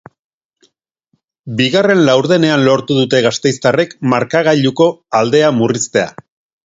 Bigarren laurdenean lortu dute gasteiztarrek markagailuko aldea murriztea.